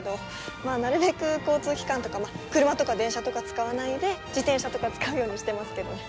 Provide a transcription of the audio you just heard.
まあなるべく交通機関とか車とか電車とか使わないで自転車とか使うようにしてますけどね。